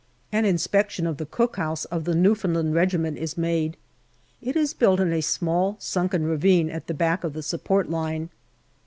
An inspection of the cookhouse of the Newfoundland Regiment is made. It is built in a small sunken ravine at the back of the support line.